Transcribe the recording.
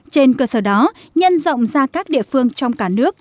trên cơ sở đó nhân rộng ra các địa phương trong cả nước